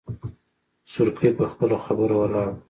خو سورکی په خپله خبره ولاړ و.